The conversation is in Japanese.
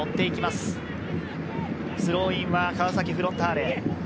スローインは川崎フロンターレ。